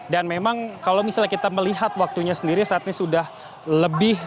dan memang kalau misalnya kita melihat waktunya sendiri saat ini sudah lebih